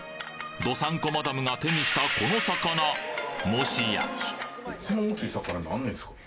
道産子マダムが手にしたこの魚もしや？